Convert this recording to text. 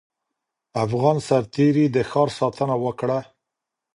افغان سرتېري د ښار ساتنه وکړه.